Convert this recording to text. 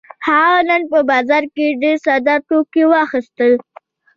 هغه نن په بازار کې ډېر ساده توکي واخيستل.